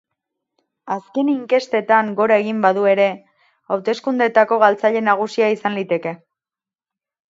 Azken inkestetan gora egin badu ere, hauteskundeetako galtzaile nagusia izan liteke.